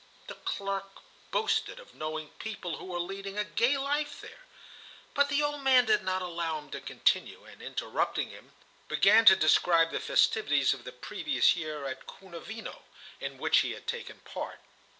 The clerk boasted of knowing people who were leading a gay life there, but the old man did not allow him to continue, and, interrupting him, began to describe the festivities of the previous year at Kounavino, in which he had taken part.